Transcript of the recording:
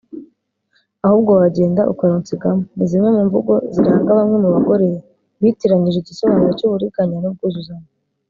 ahubwo wagenda ukarunsigamo” ni zimwe mu mvugo ziranga bamwe mu bagore bitiranyije igisobanuro cy’uburinganire n’ubwuzuzanye